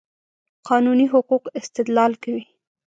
قانوني حقوقو استدلال کوي.